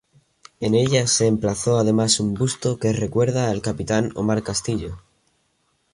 En ella se emplazó además un busto que recuerda al capitán Omar Castillo.